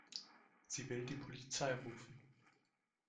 Sie will die Polizei rufen.